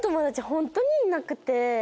本当にいなくて。